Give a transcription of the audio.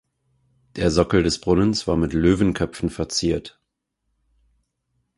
Der Sockel des Brunnens war mit Löwenköpfen verziert.